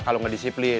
kalau gak disiplin